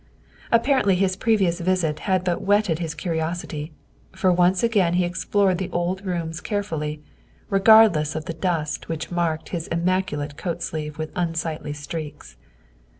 Apparently his previous visit had but whetted his curiosity, for once again he explored the old rooms care fully, regardless of the dust which marked his immacu late coat sleeve with unsightly streaks.